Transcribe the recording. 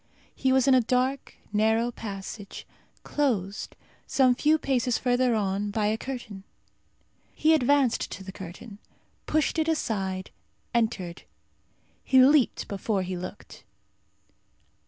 He was in a dark narrow passage, closed, some few paces further on, by a curtain. He advanced to the curtain, pushed it aside, entered. He leaped before he looked.